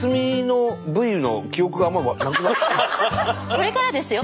これからですよ